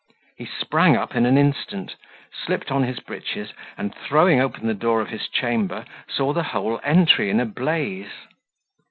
He sprang up in an instant, slipped on his breeches, and, throwing open the door of his chamber, saw the whole entry in a blaze.